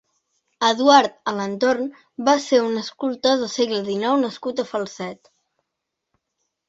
Eduard Alentorn va ser un escultor del segle dinou nascut a Falset.